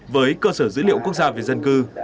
với cơ sở dữ liệu quốc gia về dân cư